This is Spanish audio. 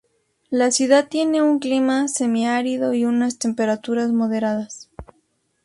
La ciudad tiene un clima semiárido y unas temperaturas moderadas.